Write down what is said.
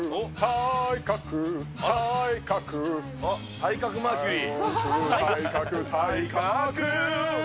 体格マーキュリー。